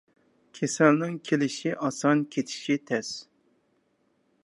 كېسەلنىڭ كېلىشى ئاسان، كېتىشى تەس.